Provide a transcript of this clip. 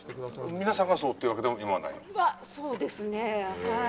皆さんがそうというわけでも今はない？は、そうですねぇ、はい。